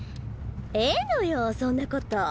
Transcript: ええのよそんなこと。